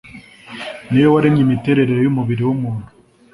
ni we waremye imiterere y'umubiri w'umuntu